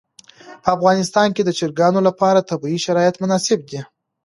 په افغانستان کې د چرګانو لپاره طبیعي شرایط مناسب دي.